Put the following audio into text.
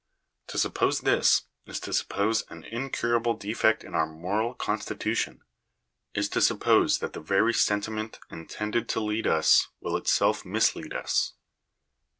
To suppose this, is to suppose an incurable defect in our moral constitution — is to suppose that the very sentiment intended to lead us will itself mislead us.